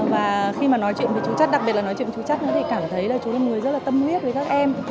và khi mà nói chuyện với chú chắt đặc biệt là nói chuyện với chú chắt nữa thì cảm thấy là chú là một người rất là tâm huyết với các em